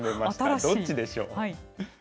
どっちでしょう。